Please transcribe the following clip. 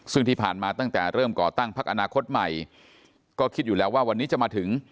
ซึ่งที่ผ่านมาตั้งแต่เริ่มก่อตั้งพักอนาคตใหม่ก็คิดอยู่แล้วว่าวันนี้จะมาถึง